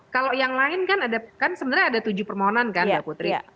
kalau yang lain kan sebenarnya ada tujuh permohonan kan mbak putri